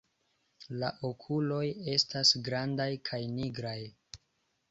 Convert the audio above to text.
La okuloj estas grandaj kaj nigraj.